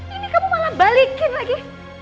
ini kamu malah balikin lagi